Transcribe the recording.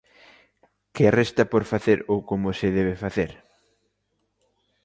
Que resta por facer ou como se debe facer?